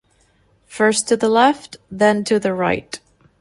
First to the left, then to the right